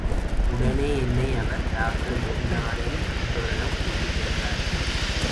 உடனே என்னை அவர் டாக்டர் ஜகந்நாதன் என்பவரிடம் கூட்டிச் சென்றார்.